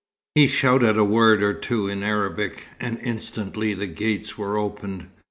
He shouted a word or two in Arabic, and instantly the gates were opened.